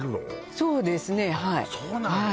そうですねはいそうなんだ